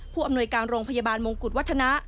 อำนวยการโรงพยาบาลมงกุฎวัฒนะ